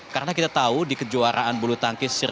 karena kita tahu di kejuaraan bulu tangkis